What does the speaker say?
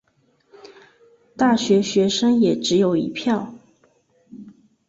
大学学生也只有一票